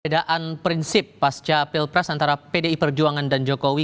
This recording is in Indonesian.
perbedaan prinsip pasca pilpres antara pdi perjuangan dan jokowi